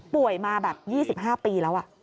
ป่วยมาแบบ๒๕ปีแล้ว